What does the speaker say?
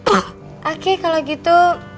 oke kalau gitu